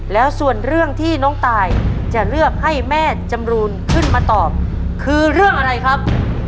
แล้วส่วนเรื่องที่น้องตายจะเลือกให้แม่จำรูนขึ้นมาตอบคือเรื่องอะไรครับ